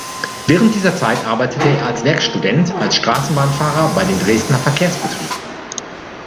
Während dieser Zeit arbeitete er als Werkstudent als Straßenbahnfahrer bei den Dresdner Verkehrsbetrieben.